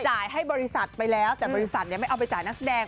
จ่ายให้บริษัทไปแล้วแต่บริษัทไม่เอาไปจ่ายนักแสดง